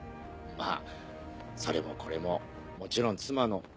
まぁそれもこれももちろん妻の。